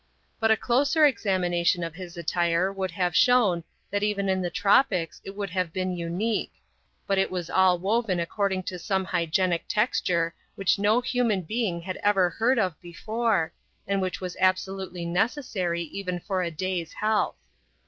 But a closer examination of his attire would have shown that even in the tropics it would have been unique; but it was all woven according to some hygienic texture which no human being had ever heard of before, and which was absolutely necessary even for a day's health.